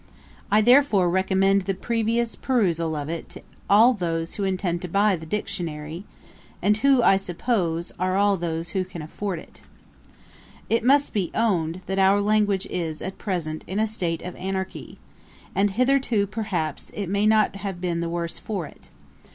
I therefore recommend the previous perusal of it to all those who intend to buy the Dictionary, and who, I suppose, are all those who can afford it.' 'It must be owned, that our language is, at present, in a state of anarchy, and hitherto, perhaps, it may not have been the worse for it.